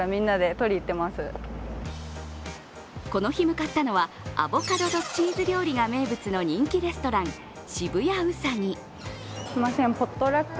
この日、向かったのはアボカドとチーズ料理が名物の人気レストラン、渋谷ウサギ。